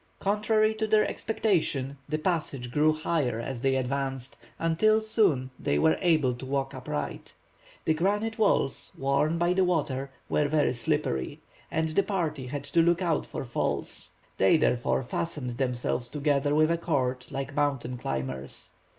Contrary to their expectation, the passage grew higher as they advanced, until soon they were able to walk upright. The granite walls, worn, by the water, were very slippery, and the party had to look out for falls. They, therefore, fastened themselves together with a cord, like mountain climbers.